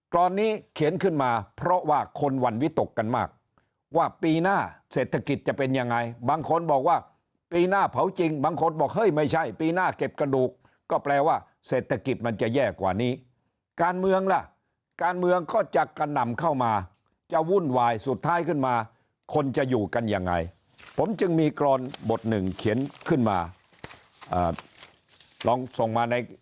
รอนนี้เขียนขึ้นมาเพราะว่าคนหวั่นวิตกกันมากว่าปีหน้าเศรษฐกิจจะเป็นยังไงบางคนบอกว่าปีหน้าเผาจริงบางคนบอกเฮ้ยไม่ใช่ปีหน้าเก็บกระดูกก็แปลว่าเศรษฐกิจมันจะแย่กว่านี้การเมืองล่ะการเมืองก็จะกระหน่ำเข้ามาจะวุ่นวายสุดท้ายขึ้นมาคนจะอยู่กันยังไงผมจึงมีกรอนบทหนึ่งเขียนขึ้นมาลองส่งมาใน